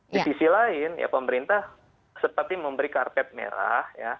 di sisi lain ya pemerintah seperti memberi karpet merah